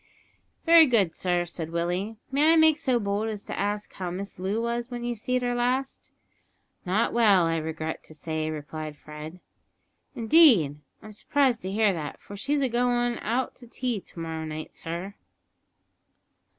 "Wery good, sir," said Willie. "May I make so bold as to ask how Miss Loo was when you seed her last?" "Not well, I regret to say," replied Fred. "Indeed! I'm surprised to hear that, for she's agoin' out to tea to morrow night, sir."